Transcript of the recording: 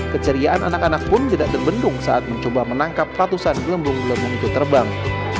keceriaan anak anak pun tidak terbendung saat mencoba menangkap ratusan gelembung gelembung itu terbang